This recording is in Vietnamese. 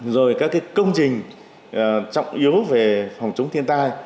rồi các công trình trọng yếu về phòng chống thiên tai